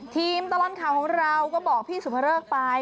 ทีมตลอดข่าวของเราก็บอกพี่สุพรเบิร์กไป